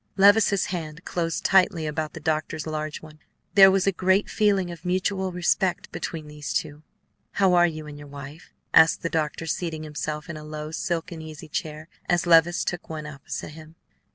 Levice's hand closed tightly about the doctor's large one; there was a great feeling of mutual respect between these two. "How are you and your wife?" asked the doctor, seating himself in a low, silken easy chair as Levice took one opposite him.